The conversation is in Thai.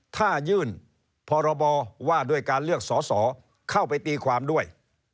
ถ้ายื่นพรบว่าด้วยการเลือกสอสอเข้าไปตีความด้วย